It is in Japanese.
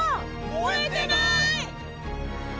燃えてない！